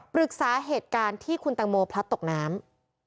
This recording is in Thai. ปรึกษาเหตุการณ์ที่คุณตังโมพลัดตกน้ำ